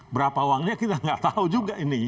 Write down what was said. berapa uangnya kita nggak tahu juga ini